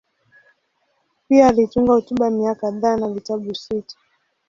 Pia alitunga hotuba mia kadhaa na vitabu sita.